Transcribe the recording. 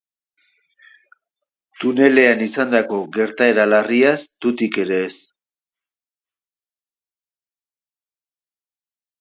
Tunelean izandako gertaera larriaz tutik ere ez.